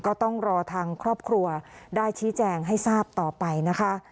ก็ต้องรอทางครอบครัวได้ชี้แจงให้ทราบต่อไปนะคะ